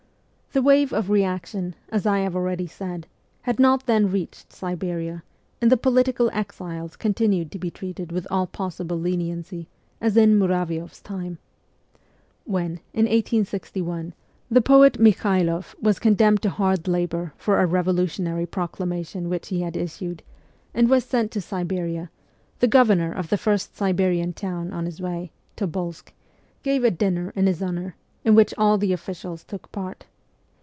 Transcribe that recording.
The wave of reaction, as I have already said, had not then reached Siberia, and the political exiles con tinued to be treated with all possible leniency, as in Muravioff's time. When, in 1861, the poet Mikhailoff was condemned to hard labour for a revolutionary pro clamation which he had issued, and was sent to Siberia, the Governor of the first Siberian town on his way, Tobolsk, gave a dinner in his honour, in which all the officials took part.